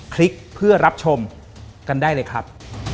คลิกเพื่อรับชมกันได้เลยครับ